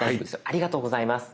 ありがとうございます。